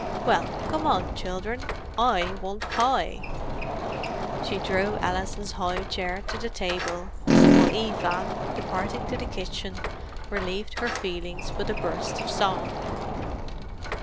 Well, come on, children—I want pie!" She drew Alison's high chair to the table, while Eva, departing to the kitchen, relieved her feelings with a burst of song.